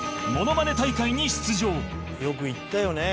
「よく行ったよね」